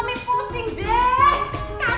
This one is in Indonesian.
mami pusing deh